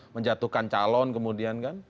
menjatuhkan calon kemudian kan